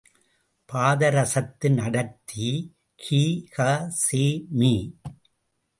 பாதரசத்தின் அடர்த்தி கி க.செ.மீ